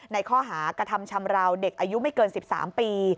ในข้อหากระทำชำราวเด็กอายุไม่เกิน๑๓ปี